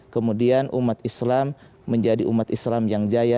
kemudian umat islam menjadi umat islam yang jaya